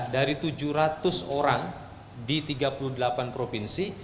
dari tujuh ratus orang di tiga puluh delapan provinsi